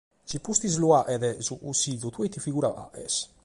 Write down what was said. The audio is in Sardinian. Si posca lu faghet su Cussìgiu tue ite figura faghes?